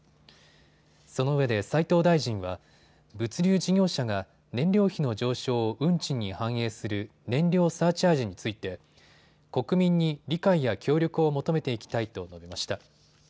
そのうえで斉藤大臣は物流事業者が、燃料費の上昇を運賃に反映する燃料サーチャージについて国民に理解や協力を求めていきたいと述べました。